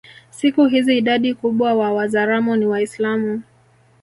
Siku hizi idadi kubwa wa Wazaramo ni Waislamu